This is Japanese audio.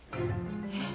えっ？